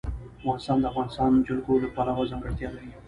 افغانستان د د افغانستان جلکو د پلوه ځانته ځانګړتیا لري.